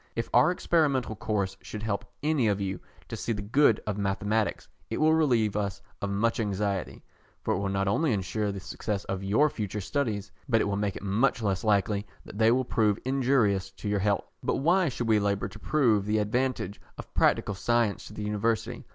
If our experimental course should help any of you to see the good of mathematics, it will relieve us of much anxiety, for it will not only ensure the success of your future studies, but it will make it much less likely that they will prove injurious to your health. But why should we labour to prove the advantage of practical science to the University?